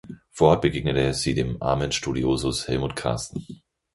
Vor Ort begegnet sie dem armen Studiosus Helmut Karsten.